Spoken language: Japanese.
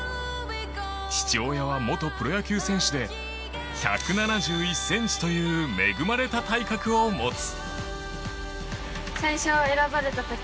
父親は元プロ野球選手で１７１ｃｍという恵まれた体格を持つ。